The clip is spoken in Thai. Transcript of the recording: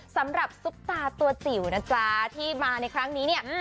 สำหรับสุปตาตัวจิ๋ว